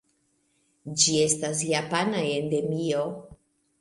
Ĝi estas japana endemio.